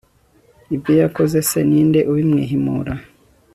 ibyo yakoze se, ni nde ubimwihimura